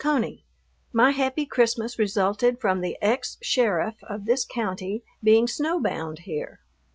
CONEY, My happy Christmas resulted from the ex sheriff of this county being snowbound here.